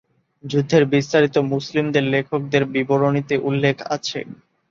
যুদ্ধের বিস্তারিত মুসলিমদের লেখকদের বিবরণীতে উল্লেখ আছে।